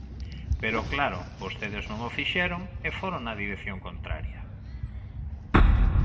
Pero, claro, vostedes non o fixeron e foron na dirección contraria.